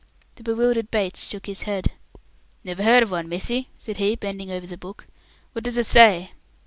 The bewildered Bates shook his head. "Never heard of one, missy," said he, bending over the book. "What does it say?"